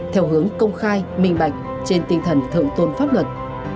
theo hướng công khai minh bạch trên tinh thần thượng tôn pháp luật